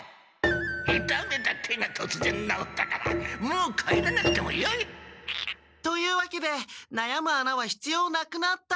「いためた手がとつぜんなおったからもう帰らなくてもよい」。というわけでなやむ穴はひつようなくなった。